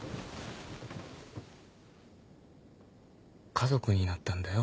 家族になったんだよ